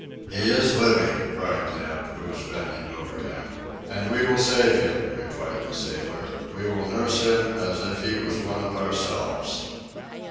"He is living," cried Neb, who was bending over him. "And we will save him," replied the sailor. "We will nurse him as if he was one of ourselves."